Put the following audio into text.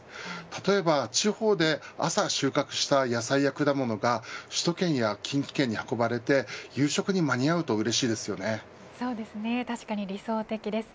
例えば、地方で朝収穫した野菜や果物が首都圏や近畿圏に運ばれて夕食に間に合うと確かに理想的です。